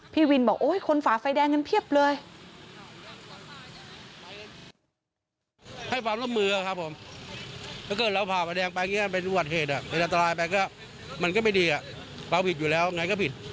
พี่วินบอกโอ้ยคนฝ่าไฟแดงกันเพียบเลย